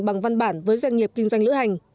bằng văn bản với doanh nghiệp kinh doanh lữ hành